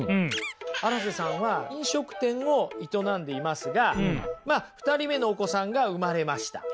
荒瀬さんは飲食店を営んでいますがまあ２人目のお子さんが産まれました。